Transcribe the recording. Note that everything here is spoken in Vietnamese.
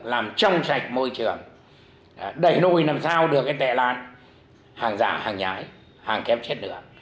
làm trong trạch môi trường đẩy lùi làm sao được tệ làn hàng giả hàng nhái hàng kép chất lượng